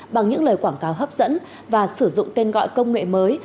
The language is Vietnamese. bằng những lời quảng cáo hấp dẫn và sử dụng tên gọi công nghệ mới